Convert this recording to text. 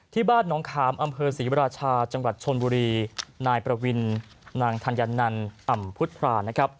ที่บ้านน้องขามอำเภอศรีราชาจังหวัดชนบุรีนายประวินนางธัญนันอ่ำพุทธรานะครับ